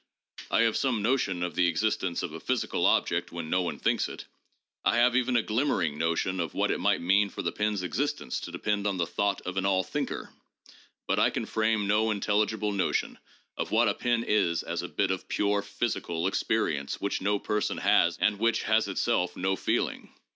I have some notion of the existence of a physical object when no one thinks it. I have even a glimmering notion of what it might mean for the pen's existence to depend on the thought of an all thinker. But I can frame no intelligible notion of what a pen is as a bit of pure 'physical' ex perience which no person has and which has itself no feeling.